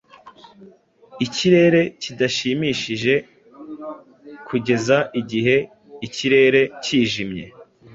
Ikirere kidashimishijekugeza igihe ikirere kijimye